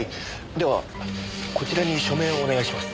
ではこちらに署名をお願いします。